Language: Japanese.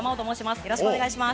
よろしくお願いします。